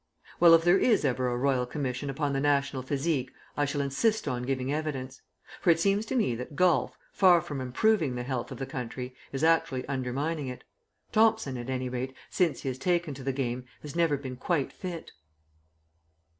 Well, if there is ever a Royal Commission upon the national physique I shall insist on giving evidence. For it seems to me that golf, far from improving the health of the country, is actually undermining it. Thomson, at any rate, since he has taken to the game, has never been quite fit.